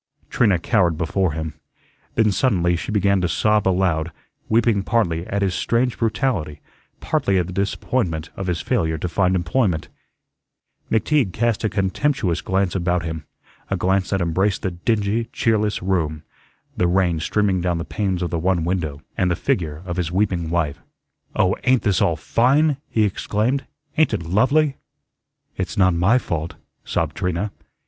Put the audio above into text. Trina cowered before him. Then suddenly she began to sob aloud, weeping partly at his strange brutality, partly at the disappointment of his failure to find employment. McTeague cast a contemptuous glance about him, a glance that embraced the dingy, cheerless room, the rain streaming down the panes of the one window, and the figure of his weeping wife. "Oh, ain't this all FINE?" he exclaimed. "Ain't it lovely?" "It's not my fault," sobbed Trina.